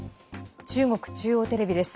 中国中央テレビです。